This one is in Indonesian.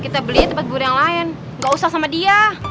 kita beli tempat guru yang lain gak usah sama dia